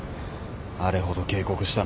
あれほど警告したのに。